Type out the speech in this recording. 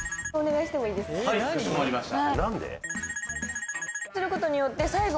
はいかしこまりました。